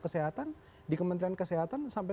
kesehatan di kementerian kesehatan sampai